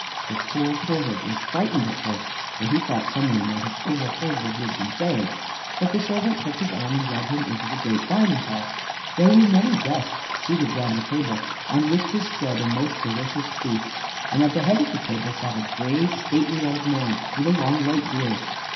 The poor porter was frightened at first, for he thought some one might have overheard what he had been saying, but the servant took his arm and led him into the great dining hall. There were many guests seated round the table, on which was spread a most delicious feast, and at the head of the table sat a grave, stately old man with a long white beard.